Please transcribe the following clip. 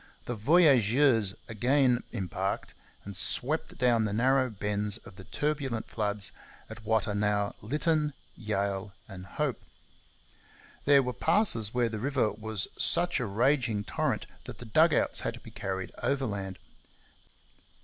The voyageurs again embarked, and swept down the narrow bends of the turbulent floods at what are now Lytton, Yale, and Hope. There were passes where the river was such a raging torrent that the dug outs had to be carried overland.